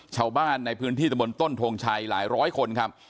ชาวบ้านในพื้นที่ตะบนต้นทงชัยหลายร้อยคนครับ